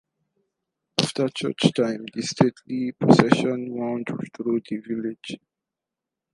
After church time the stately procession wound through the village.